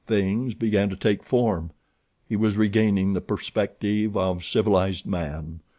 Things began to take form—he was regaining the perspective of civilized man.